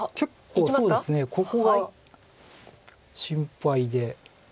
結構ここが心配で。